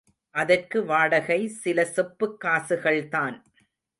அதற்கு வாடகை சில செப்புக் காசுகள்தான்.